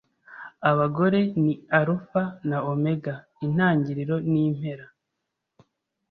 Abagore ni alfa na omega, intangiriro nimpera.